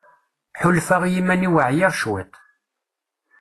Ḥulfaɣ i yiman-iw ɛyiɣ cwiṭ.